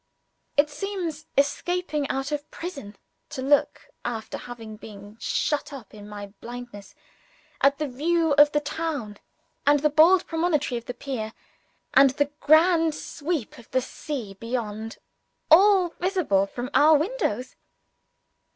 It seems like escaping out of prison, to look (after having been shut up in my blindness) at the view over the town, and the bold promontory of the pier, and the grand sweep of the sea beyond all visible from our windows.